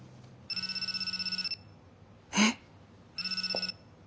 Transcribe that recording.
えっ！